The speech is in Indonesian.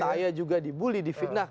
saya juga dibully di fitnah